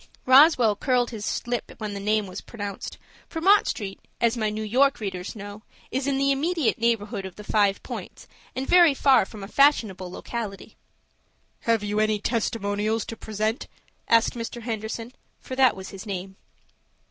Roswell curled his lip when this name was pronounced, for Mott Street, as my New York readers know, is in the immediate neighborhood of the Five Points, and very far from a fashionable locality. "Have you any testimonials to present?" asked Mr. Henderson, for that was his name.